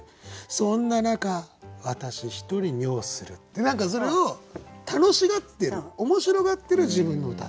そんな中私「ひとり尿する」って何かそれを楽しがってる面白がってる自分の歌と。